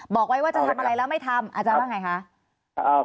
บอกไว้ว่าจะทำอะไรแล้วไม่ทำอาจารย์ว่าไงคะ